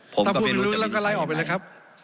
ถ้าพูดไม่รู้แล้วก็ไล่ออกไปเลยครับ